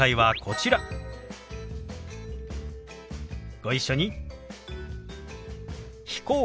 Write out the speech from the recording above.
ご一緒に。